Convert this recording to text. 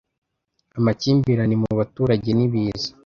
amakimbirane mu baturage n’ibiza